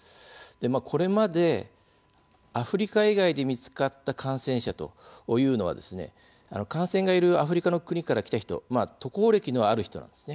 これまでアフリカ以外で見つかった感染者というのは感染がいるアフリカの国から来た人、渡航歴のある人なんです。